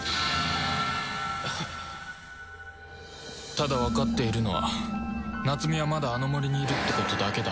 ただわかっているのは夏美はまだあの森にいるってことだけだ